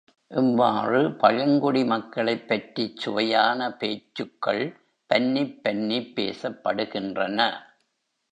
இவ்வாறு பழங்குடி மக்களைப் பற்றிச் சுவையான பேச்சுக்கள் பன்னிப் பன்னிப் பேசப்படுகின்றன.